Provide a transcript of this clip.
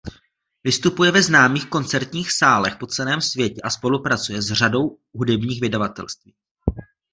Vystupuje ve známých koncertních sálech po celém světě a spolupracuje s řadou hudebních vydavatelství.